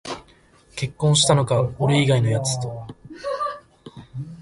結婚したのか、俺以外のやつと